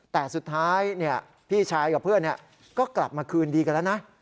แต่สุดท้ายพี่ชายกับเพื่อนก็กลับมาคืนดีกันแล้วนะ